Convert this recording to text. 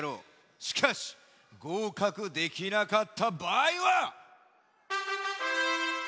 しかしごうかくできなかったばあいは。